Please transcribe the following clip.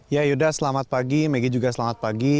ya yuda selamat pagi megi juga selamat pagi